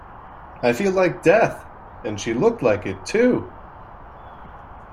I feel like death! And she looked like it, too!